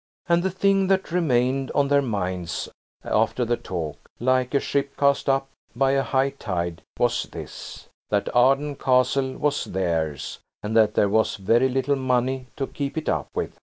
And the thing that remained on their minds after the talk, like a ship cast up by a high tide, was this: that Arden Castle was theirs, and that there was very little money to "keep it up" with.